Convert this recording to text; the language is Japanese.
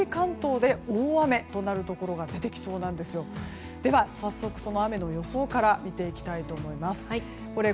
では早速、雨の予想から見ていきたいと思います。